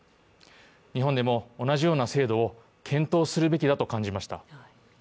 日本でも同じような制度を検討するべきだと感じました。